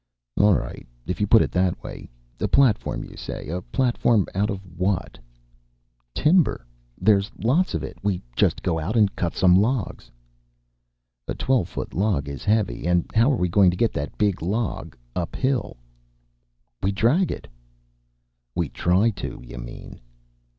"All right, if you put it that way. A platform, you say. A platform out of what?" "Timber. There's lot of it. We just go out and cut some logs." "A twelve foot log is heavy. And how are we going to get that big a log uphill?" "We drag it." "We try to, you mean."